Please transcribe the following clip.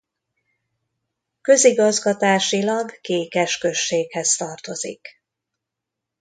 Közigazgatásilag Kékes községhez tartozik.